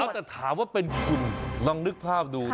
แต่ถามว่าเป็นคุณลองนึกภาพดู